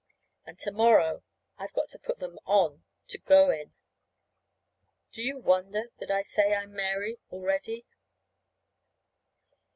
And to morrow I've got to put them on to go in. Do you wonder that I say I am Mary already?